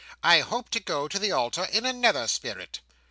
I hope to go to the altar in another spirit."